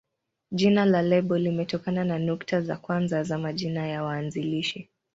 Jina la lebo limetokana na nukta za kwanza za majina ya waanzilishi.